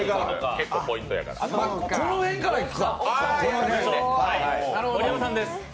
この辺からいくか。